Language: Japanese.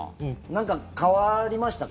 何か変わりました？